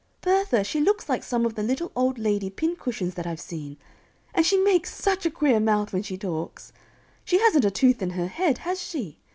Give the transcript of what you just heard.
Bertha, she looks like some of the little old lady pincushions that I've seen, and she makes such a queer mouth when she talks. She hasn't a tooth in her head, has she?